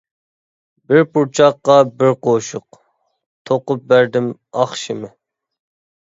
بىر پۇرچاققا بىر قوشاق، توقۇپ بەردىم ئاخشىمى.